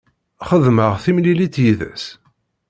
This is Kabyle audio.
Xedmeɣ timlilit yid-s.